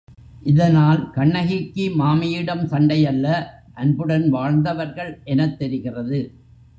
இதனால் கண்ணகிக்கு மாமியிடம் சண்டையல்ல அன்புடன் வாழ்ந்தவர்கள் எனத் தெரிகிறது.